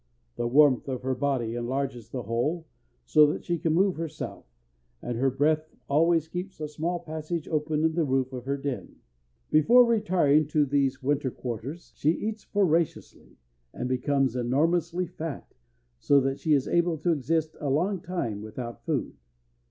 The warmth of her body enlarges the hole so that she can move herself, and her breath always keeps a small passage open in the roof of her den. Before retiring to these winter quarters she eats voraciously, and becomes enormously fat, so that she is able to exist a long time without food.